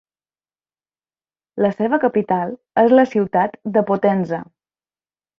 La seva capital és la ciutat de Potenza.